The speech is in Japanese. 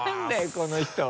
この人。